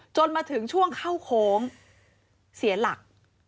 จนมาถึงช่วงเข้าโค้งเสียหลัก